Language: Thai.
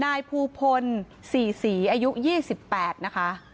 นายภูพลศรีศรีอายุ๒๘นะคะ